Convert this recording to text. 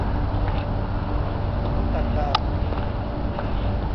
มนุษย์ต่างดาว